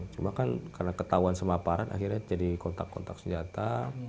cuma kan karena ketahuan sama aparat akhirnya jadi kontak kontak senjata